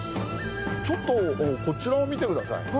ちょっとこちらを見てください。